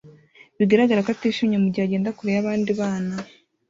bigaragara ko atishimye mugihe agenda kure yabandi bana